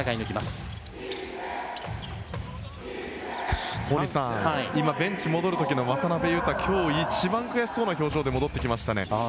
大西さんベンチに戻る時の渡邊雄太は今日一番悔しそうな表情で戻ってきましたね。